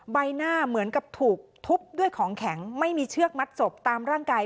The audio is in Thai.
ใบหน้าเหมือนกับถูกทุบด้วยของแข็งไม่มีเชือกมัดศพตามร่างกาย